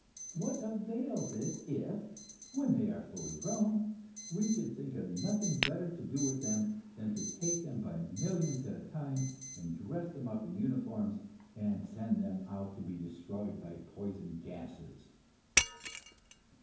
What avails it if, when they are fully grown, we can think of nothing better to do with them than to take them by millions at a time and dress them up in uniforms and send them out to be destroyed by poison gases?